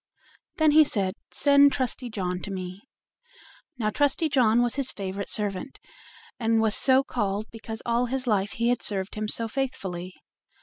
Then he said, "Send Trusty John to me." Now Trusty John was his favorite servant, and was so called because all his life he had served him so faithfully.